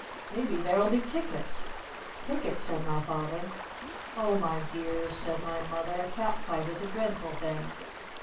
Maybe there'll be tickets!" "Tickets?" said my Father. "Oh my dears," said my Mother. "A cat fight is a dreadful thing!"